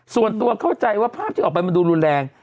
ส่วนตัวเข้าใจว่าภาพที่ออกไปมันดูรุนแรง